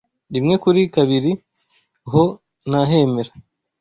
Rimwe kuri kabiri ho nahemera